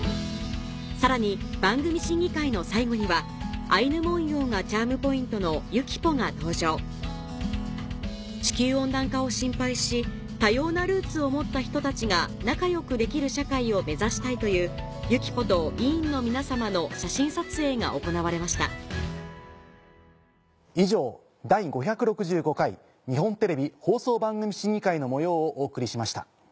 さらに番組審議会の最後にはアイヌ文様がチャームポイントの「ゆきポ」が登場地球温暖化を心配し多様なルーツを持った人たちが仲良くできる社会を目指したいという「ゆきポ」と委員の皆さまの写真撮影が行われました以上第５６５回日本テレビ放送番組審議会の模様をお送りしました。